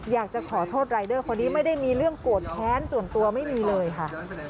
อยากจะขอโทษรายเดอร์คนนี้ไม่ได้มีเรื่องโกรธแค้นส่วนตัวไม่มีเลยค่ะ